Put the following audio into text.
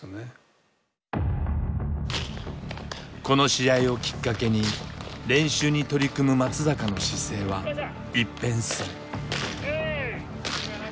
この試合をきっかけに練習に取り組む松坂の姿勢は一変する。